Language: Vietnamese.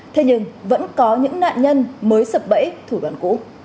thế nhưng vẫn có những nạn nhân mới sập bẫy thủ đoạn cũ